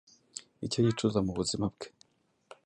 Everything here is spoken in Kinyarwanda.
icyo yicuza mu buzima bwe